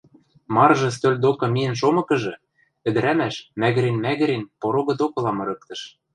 Марыжы стӧл докы миэн шомыкыжы, ӹдӹрӓмӓш, мӓгӹрен-мӓгӹрен, порогы докыла мырыктыш